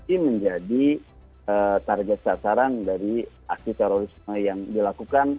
ini menjadi target sasaran dari aksi terorisme yang dilakukan